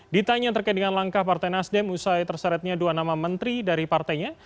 ditanya terkait dengan langkah partai nasdem usai terseretnya dua nama menteri dari partainya